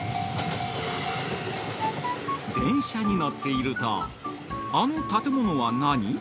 ◆電車に乗っていると「あの建物はナニ！？」